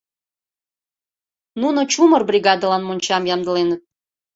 Нуно чумыр бригадылан мончам ямдыленыт.